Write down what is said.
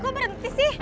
kok berhenti sih